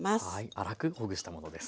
粗くほぐしたものです。